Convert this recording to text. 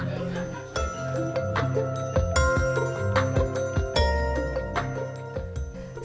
pembuatan songket di indonesia